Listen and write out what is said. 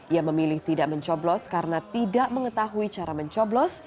ia memilih tidak mencoblos karena tidak mengetahui cara mencoblos